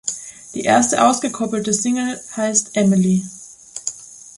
Die erste ausgekoppelte Single heißt "Emily".